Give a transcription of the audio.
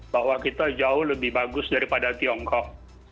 bahwa kita jauh lebih bagus daripada tiongkok